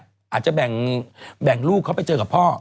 อาจจะแบ่งลูกเขาไปเจอกับพ่อ